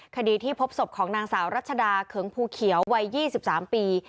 คดีที่พบศพของนางสาวรัชดาเขิงภูเขียววัย๒๓ปี